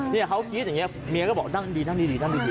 เนี่ยเขากรี๊ดอย่างนี้เมียก็บอกนั่งดีนั่งดีนั่งดี